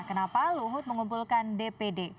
kenapa luhut mengumpulkan dpd